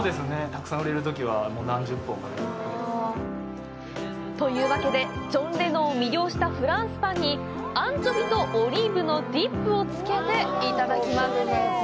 たくさん売れるときは何十本も焼いて。というわけで、ジョン・レノンを魅了したフランスパンにアンチョビとオリーブのディップをつけて、いただきます！